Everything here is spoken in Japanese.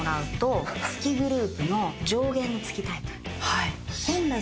はい。